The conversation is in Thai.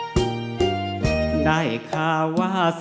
แต่ไม่รู้ว่าความสุขของเธอ